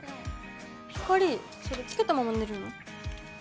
ひかりそれつけたまま寝るの？